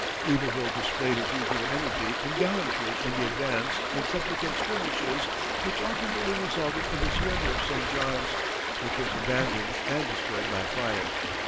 Iberville displayed his usual energy and gallantry in the advance and subsequent skirmishes which ultimately resulted in the surrender of St. John's, which was abandoned and destroyed by fire.